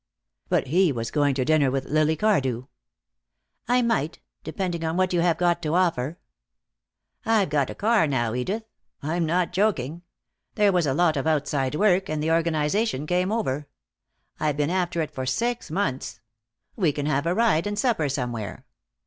But he was going to dinner with Lily Cardew. "I might, depending on what you've got to offer." "I've got a car now, Edith. I'm not joking. There was a lot of outside work, and the organization came over. I've been after it for six months. We can have a ride, and supper somewhere.